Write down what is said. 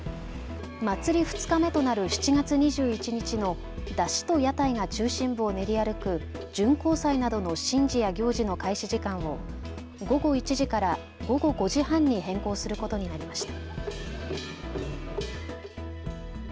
祭り２日目となる７月２１日の山車と屋台が中心部を練り歩く巡行祭などの神事や行事の開始時間を午後１時から午後５時半に変更することになりました。